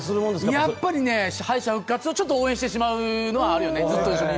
やっぱり敗者復活をちょっと応援してしまうのはあるよね。